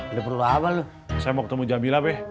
udah perlu apa lu saya mau ketemu jamila peh